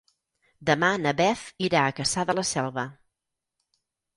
Demà na Beth irà a Cassà de la Selva.